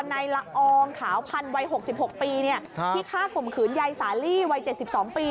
ละอองขาวพันธ์วัย๖๖ปีที่ฆ่าข่มขืนยายสาลีวัย๗๒ปี